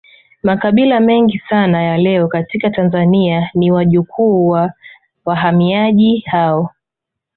Makabila mengi sana ya leo katika Tanzania ni wajukuu wa wahamiaji hao